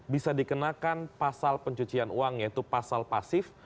bisa dikenakan pasal pencucian uang yaitu pasal pasif